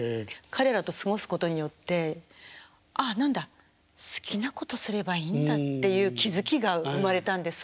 彼らと過ごすことによって「ああなんだ好きなことすればいいんだ」っていう気付きが生まれたんです